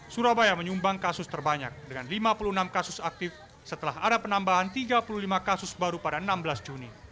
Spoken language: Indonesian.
surabaya menyumbang kasus terbanyak dengan lima puluh enam kasus aktif setelah ada penambahan tiga puluh lima kasus baru pada enam belas juni